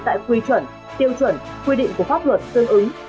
tại quy chuẩn tiêu chuẩn quy định của pháp luật tương ứng